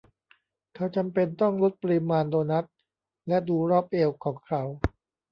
เขาจำเป็นต้องลดปริมาณโดนัทและดูรอบเอวของเขา